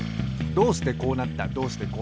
どうしてこうなった？